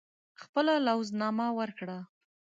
خپله لوز نامه ورکړه.